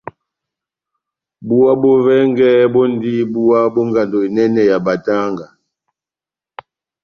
Búwa bó vɛngɛ bondi búwa bó ngando enɛnɛ ya batanga.